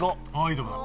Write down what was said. いいとこだ。